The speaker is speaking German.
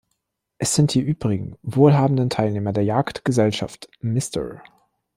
Es sind die übrigen, wohlhabenden Teilnehmer der Jagdgesellschaft: Mr.